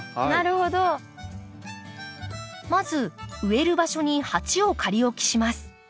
まず植える場所に鉢を仮置きします。